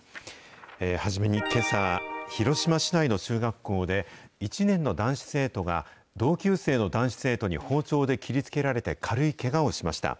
初めにけさ、広島市内の中学校で、１年の男子生徒が、同級生の男子生徒に包丁で切りつけられて軽いけがをしました。